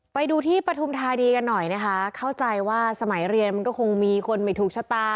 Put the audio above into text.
ไปดูที่ปฐุมธานีกันหน่อยนะคะเข้าใจว่าสมัยเรียนมันก็คงมีคนไม่ถูกชะตา